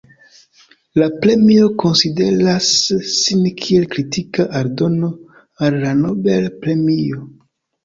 La premio konsideras sin kiel kritika aldono al la Nobel-premio.